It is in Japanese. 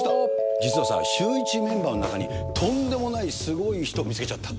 実はさ、シューイチメンバーの中に、とんでもないすごい人、見つけちゃった。